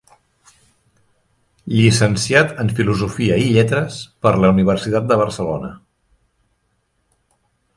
Llicenciat en Filosofia i Lletres per la Universitat de Barcelona.